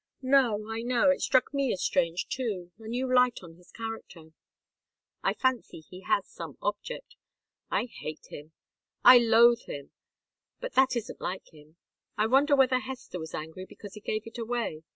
"No I know. It struck me as strange, too. A new light on his character." "I fancy he has some object. I hate him I loathe him! But that isn't like him. I wonder whether Hester was angry because he gave it away.